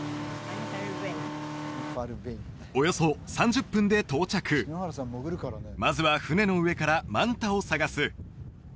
およそ３０分で到着まずは船の上からマンタを探す